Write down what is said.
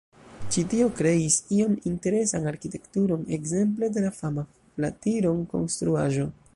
Ĉi tio kreis iom interesan arkitekturon, ekzemple de la fama Flatiron-Konstruaĵo.